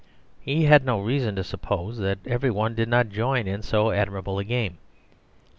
He had no reason to suppose that every one did not join in so admirable a game.